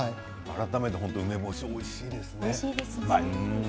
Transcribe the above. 改めて梅干しおいしいですね。